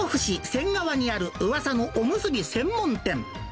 仙川にあるうわさのおむすび専門店。